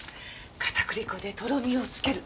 片栗粉でとろみをつける。